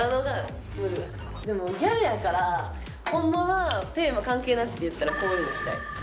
でもギャルやからホンマはテーマ関係なしでいったらこういうの着たい。